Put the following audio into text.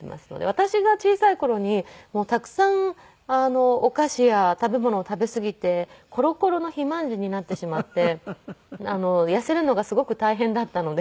私が小さい頃にたくさんお菓子や食べ物を食べすぎてコロコロの肥満児になってしまって痩せるのがすごく大変だったので。